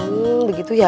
hmm begitu ya